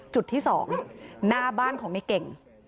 จุดที่๒หน้าบ้านของในเก่ง